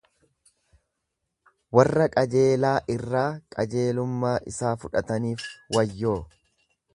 Warra qajeelaa irraa qajeelummaa isaa fudhataniif wayyoo!